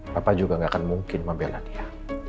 bapak juga gak akan mungkin membela dia